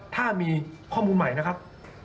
ถ้ามีข้อมูลใหม่นะครับ